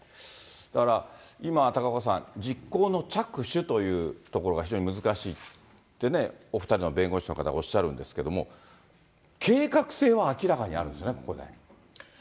だから、今、高岡さん、実行の着手というところが非常に難しいってね、お２人の弁護士の方がおっしゃるんですけれども、計画性は明らかにあるんですね、ここで。